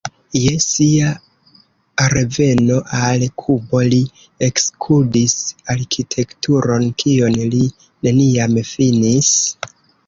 Je sia reveno al Kubo li ekstudis arkitekturon, kion li neniam finis.